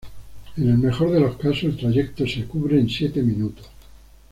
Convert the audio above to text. En el mejor de los casos el trayecto se cubre en siete minutos.